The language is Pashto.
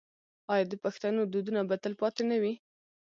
آیا د پښتنو دودونه به تل پاتې نه وي؟